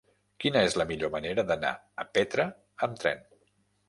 Quina és la millor manera d'anar a Petra amb tren?